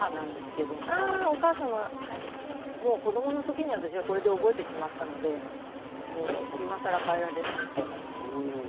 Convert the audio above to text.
もう子供の時に私はこれで覚えてしまったのでもう今更変えられないっていう感じなんです。